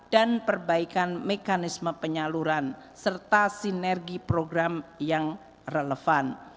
dan perbaikan mekanisme penyaluran serta sinergi program yang relevan